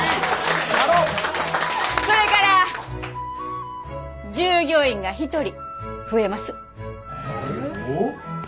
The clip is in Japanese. それから従業員が１人増えます。え？